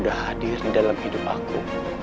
terima kasih udah hadir di dalam hidup aku